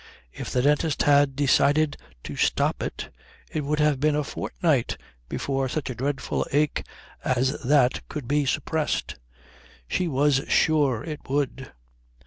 If the dentist had decided to stop it, it would have been a fortnight before such a dreadful ache as that could be suppressed, she was sure it would.